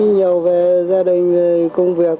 nhiều về gia đình về công việc